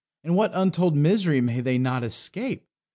And what untold misery may they not escape!